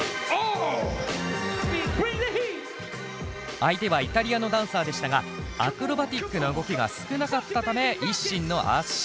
相手はイタリアのダンサーでしたがアクロバティックな動きが少なかったためＩＳＳＩＮの圧勝。